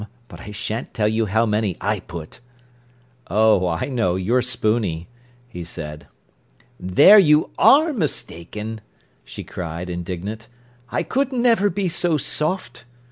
But I shan't tell you how many I put." "Oh, I know, you're spooney," he said. "There you are mistaken!" she cried, indignant. "I could never be so soft."